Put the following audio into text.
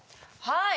はい。